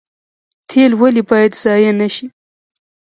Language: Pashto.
تیل ولې باید ضایع نشي؟